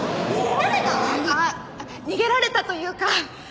あっ逃げられたというか。